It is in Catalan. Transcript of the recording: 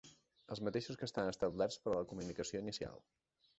Els mateixos que estan establerts per a la comunicació inicial.